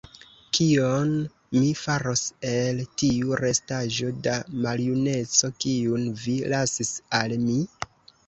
Kion mi faros el tiu restaĵo da maljuneco, kiun vi lasis al mi?